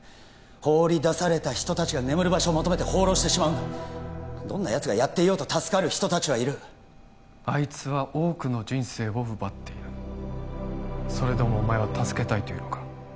放り出された人達が眠る場所を求めて放浪してしまうんだどんなやつがやっていようと助かる人達はいるあいつは多くの人生を奪っているそれでもお前は助けたいというのか？